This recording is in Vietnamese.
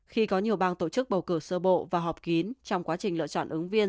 khi có nhiều bang tổ chức bầu cử sơ bộ và họp kín trong quá trình lựa chọn ứng viên